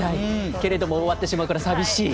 けれども終わってしまうから寂しい。